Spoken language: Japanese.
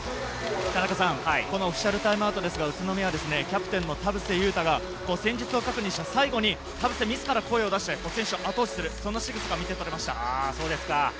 このオフィシャルタイムアウト、宇都宮はキャプテンの田臥勇太が戦術を確認し、最後、自ら声を出して、選手を後押しする、そんな仕草が見て取れました。